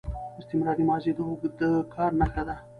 استمراري ماضي د اوږده کار نخښه ده.